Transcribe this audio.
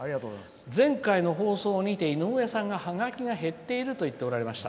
前回の放送にて井上さんがハガキが減っていると言っておられました」。